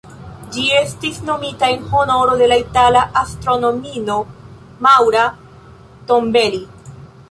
Ĝi estis nomita en honoro de la itala astronomino Maura Tombelli.